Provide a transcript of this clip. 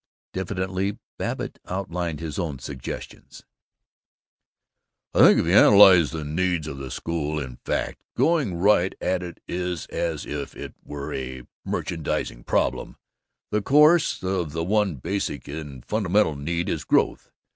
Diffidently Babbitt outlined his own suggestions: "I think if you analyze the needs of the school, in fact, going right at it as if it was a merchandizing problem, of course the one basic and fundamental need is growth.